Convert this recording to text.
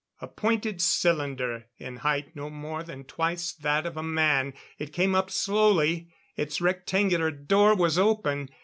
A pointed cylinder, in height no more than twice that of a man. It came up slowly. Its rectangular door was open.